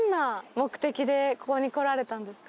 ここに来られたんですか？